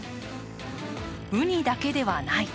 うにだけではない。